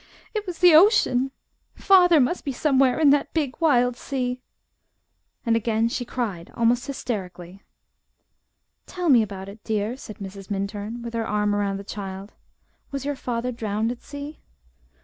"It was the ocean. Father must be somewhere in that big, wild sea!" and again she cried almost hysterically. "Tell me about it, dear," said Mrs. Minturn, with her arm around the child. "Was your father drowned at sea?"